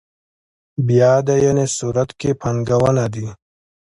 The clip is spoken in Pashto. بیا اداينې صورت کې پانګونه دي.